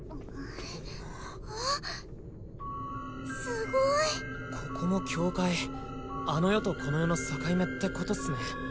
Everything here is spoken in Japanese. すごいここも境界あの世とこの世の境目ってことっすね